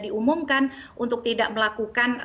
diumumkan untuk tidak melakukan